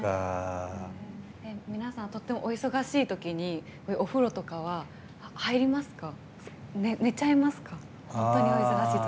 皆さんとってもお忙しい時にお風呂とかは、入りますか？